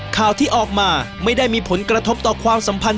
ข่าวที่ออกมาไม่ได้มีผลกระทบต่อความสัมพันธ